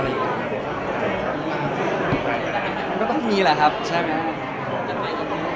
มันก็ต้องมีแหละครับใช่ไหม